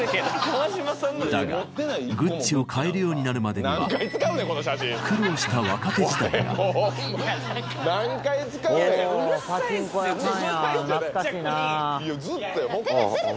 だがＧＵＣＣＩを買えるようになるまでには苦労した若手時代が何回使うねん！